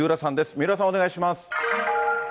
三浦さん、お願いします。